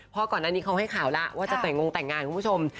เพราะก่อนหน้านี้เขาให้ข่าวแล้วว่าจะแต่งงแต่งงานคุณผู้ชม